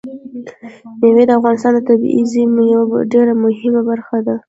مېوې د افغانستان د طبیعي زیرمو یوه ډېره مهمه برخه ده.